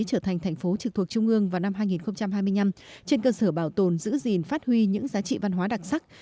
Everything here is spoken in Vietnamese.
trở thành thành phố trực thuộc trung ương vào năm hai nghìn hai mươi năm trên cơ sở bảo tồn giữ gìn phát huy những giá trị văn hóa đặc sắc